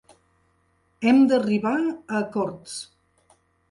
Hem d’arribar a acords.